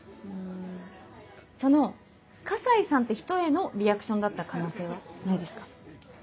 その河西さんって人へのリアクションだった可能性はないですか？